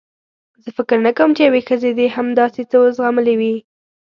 زه فکر نه کوم چې یوې ښځې دې هم داسې څه زغملي وي.